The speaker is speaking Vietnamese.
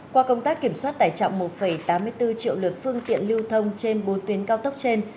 qua công tác kiểm soát tải trọng một tám mươi bốn triệu lượt phương tiện lưu thông trên bốn tuyến cao tốc trên